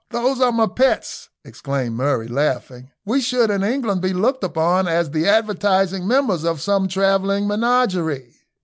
"Those are my pets," exclaimed Murray, laughing. "We should in England be looked upon as the advertising members of some travelling menagerie."